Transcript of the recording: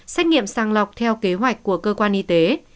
xét nghiệm sàng lọc theo kế hoạch của cơ quan y tế